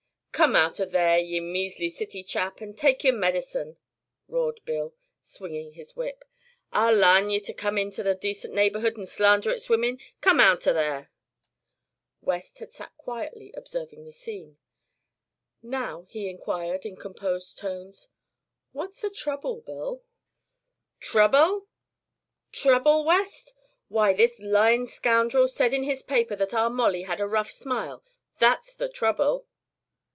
"Come out o' there, ye measly city chap, an' take yer medicine," roared Bill, swinging his whip. "I'll larn ye to come inter a decent neighborhood an' slander its women. Come outer there!" West had sat quietly observing the scene. Now he inquired, in composed tones: "What's the trouble, Bill?" "Trouble? Trouble, West? Why, this lyin' scroundrel said in his paper thet our Molly had a rough smile. That's the trouble!"